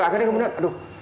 akhirnya kemudian aduh